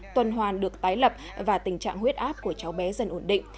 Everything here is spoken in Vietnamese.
tuần hoàn được tái lập và tình trạng huyết áp của cháu bé dần ổn định